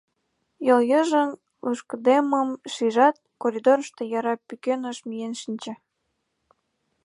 Йолйыжыҥ лушкыдеммым шижат, коридорышто яра пӱкеныш миен шинче.